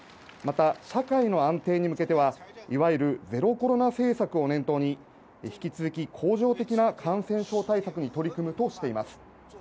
また社会の安定に向けては、いわゆるゼロコロナ政策を念頭に、引き続き恒常的な感染症対策に取り組むとしています。